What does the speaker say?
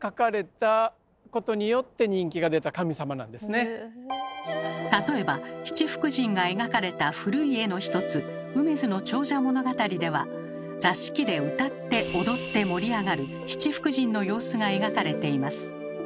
七福神はもともと例えば七福神が描かれた古い絵の一つ「梅津長者物語」では座敷で歌って踊って盛り上がる七福神の様子が描かれています。